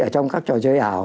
ở trong các trò chơi ảo